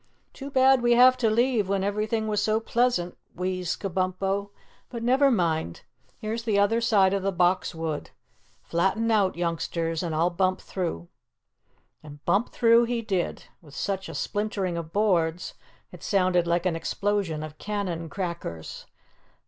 "Too bad we have to leave when everything was so pleasant," wheezed Kabumpo. "But never mind, here's the other side of the Box Wood. Flatten out, youngsters, and I'll bump through." And bump through he did, with such a splintering of boards it sounded like an explosion of cannon crackers.